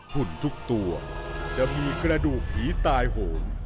หุ่นทุกตัวจะมีกระดูกผีตายโหง